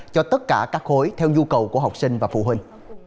cho tất cả các khối theo nhu cầu của học sinh và phụ huynh